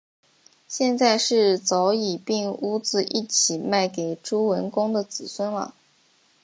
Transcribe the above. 现在是早已并屋子一起卖给朱文公的子孙了